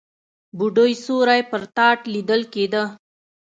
بوډۍ سيوری پر تاټ ليدل کېده.